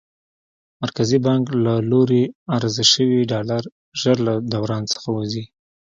مرکزي بانک له لوري عرضه شوي ډالر ژر له دوران څخه وځي.